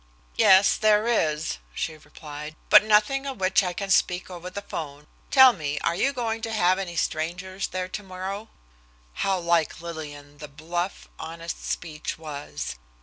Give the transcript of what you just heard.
"Yes, there is," she replied, "but nothing of which I can speak over the 'phone. Tell me, are you going to have any strangers there tomorrow?" How like Lillian the bluff, honest speech was!